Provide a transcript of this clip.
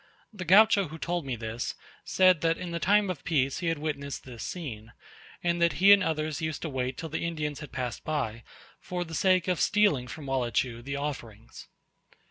The Gaucho who told me this, said that in the time of peace he had witnessed this scene, and that he and others used to wait till the Indians had passed by, for the sake of stealing from Walleechu the offerings.